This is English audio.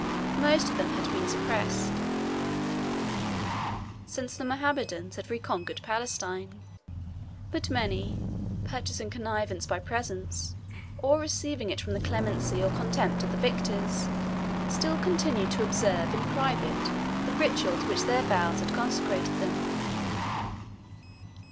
Most of them had been suppressed since the Mohammedans had reconquered Palestine, but many, purchasing connivance by presents, or receiving it from the clemency or contempt of the victors, still continued to observe in private the ritual to which their vows had consecrated them.